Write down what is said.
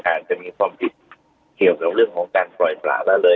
อาจจะมีความผิดเกี่ยวกับเรื่องของการปล่อยปลาละเลย